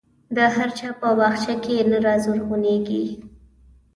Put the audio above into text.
د هر چا په باغچه کې نه رازرغون کېږي.